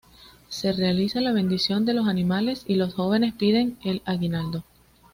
Se realiza la bendición de los animales y los jóvenes piden el aguinaldo.